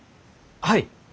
はい。